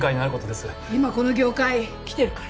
今この業界きてるから。